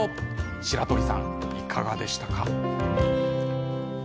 白鳥さん、いかがでしたか？